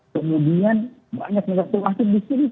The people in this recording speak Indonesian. kemudian banyak negatif negatif di sini